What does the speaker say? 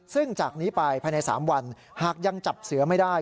ซึ่งจากนี้ไปภายใน๓วันหากยังจับเสือไม่ได้